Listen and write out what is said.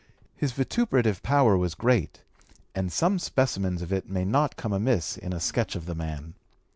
His vituperative power was great, and some specimens of it may not come amiss in a sketch of the man.